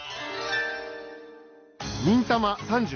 「忍たま３０」